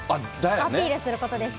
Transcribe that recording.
アピールすることですね。